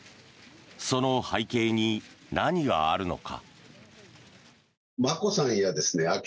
その背景に何があるのか。